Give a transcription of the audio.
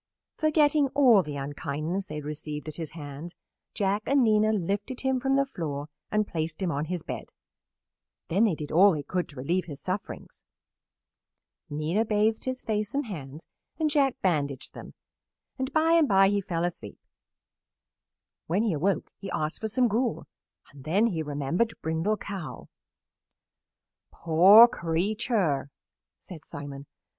Forgetting all the unkindness they had received at his hands, Jack and Nina lifted him from the floor and placed him on his bed. Then they did all they could to relieve his sufferings. Nina bathed his face and hands and Jack bandaged them, and by and by he fell asleep. When he awoke he asked for some gruel, and then he remembered Brindle Cow. "Poor creature!" said Simon.